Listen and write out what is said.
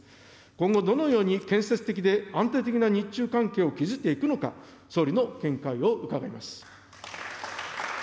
今後、どのように建設的で安定的な日中関係を築いていくのか、総理の見解を伺います。